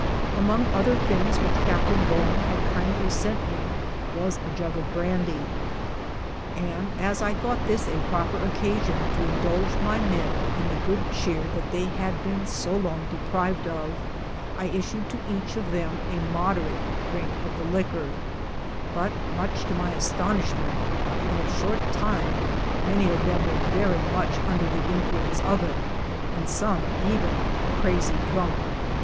Among other things which Captain Bowman had kindly sent me was a jug of brandy, and, as I thought this a prop er occasion to indulge my men in the good cheer that they had been so long deprived of, I issued to each of them a moderate drink of the liquor, but, much to my astonish ment, in a short time many of them were very much under the influence of it, and some even crazy drunk.